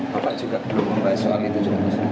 bapak juga belum membahas soal itu